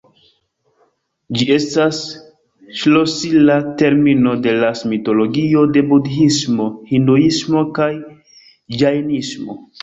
Ĝi estas ŝlosila termino de las mitologio de budhismo, hinduismo kaj ĝajnismo.